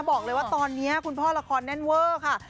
บอกเลยว่าตอนนี้คุณพ่อละครแน่นเวอร์ค่ะ